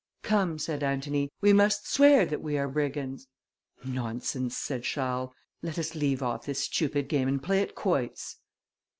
"Come," said Antony, "we must swear that we are brigands." "Nonsense!" said Charles, "let us leave off this stupid game, and play at quoits.